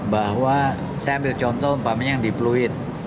bahwa saya ambil contoh umpamanya yang di pluit